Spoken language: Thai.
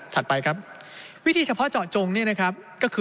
ถัดไปครับ